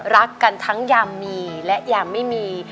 รักกันทั้งยามมีและยามไม่มี